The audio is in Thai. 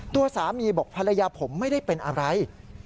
ตัวสามีบอกภรรยาผมไม่ได้เป็นอะไร